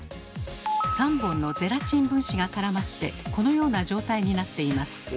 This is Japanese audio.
３本のゼラチン分子が絡まってこのような状態になっています。